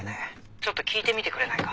ちょっと聞いてみてくれないか？